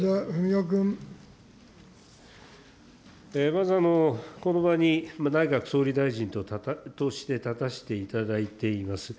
まず、この場に内閣総理大臣として立たしていただいています。